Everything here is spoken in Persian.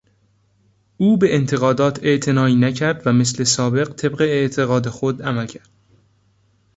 او به انتقادات اعتنایی نکرد و مثل سابق طبق اعتقاد خود عمل کرد.